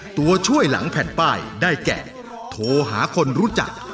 ตัวช่วยหลังแผ่นป้ายได้แก่โทรหาคนรู้จัก